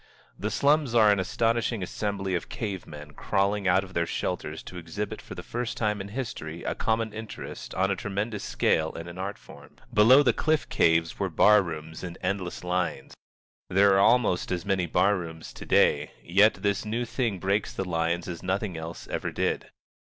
The slums are an astonishing assembly of cave men crawling out of their shelters to exhibit for the first time in history a common interest on a tremendous scale in an art form. Below the cliff caves were bar rooms in endless lines. There are almost as many bar rooms to day, yet this new thing breaks the lines as nothing else ever did.